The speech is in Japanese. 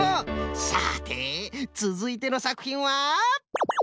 さてつづいてのさくひんは？